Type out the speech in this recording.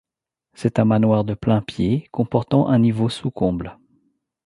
C'est un manoir de plain-pied, comportant un niveau sous combles.